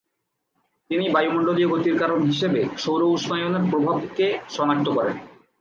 তিনি বায়ুমণ্ডলীয় গতির কারণ হিসেবে সৌর উষ্ণায়নের প্রভাবকে শনাক্ত করেন।